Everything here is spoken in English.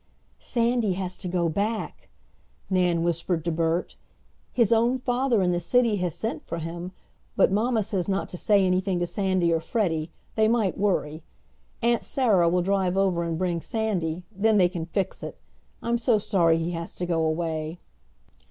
"Sandy has to go back!" Nan whispered to Bert. "His own father in the city has sent for him, but mamma says not to say anything to Sandy or Freddie they might worry. Aunt Sarah will drive over and bring Sandy, then they can fix it. I'm so sorry he has to go away."